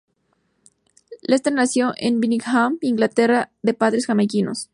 Lester nació en Birmingham, Inglaterra de padres jamaicanos.